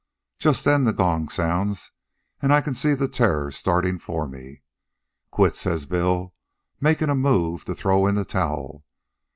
Just then the gong sounds, an' I can see the Terror startin' for me. 'Quit,' says Bill, makin' a move to throw in the towel.